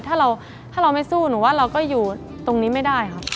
ถ้าเราถ้าเราไม่สู้หนูว่าเราก็อยู่ตรงนี้ไม่ได้ค่ะ